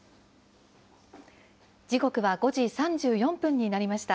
時刻は５時３４分になりました。